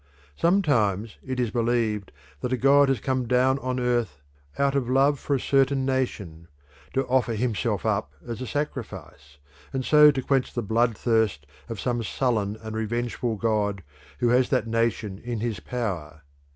Sometimes it is believed that a god has come down on earth out of love for a certain nation, to offer himself up as a sacrifice, and so to quench the blood thirst of some sullen and revengeful god who has that nation in his power.